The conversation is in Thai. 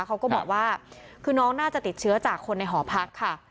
เขาก็บอกว่าคือน้องน่าจะติดเชื้อจากคนในหอพักค่ะ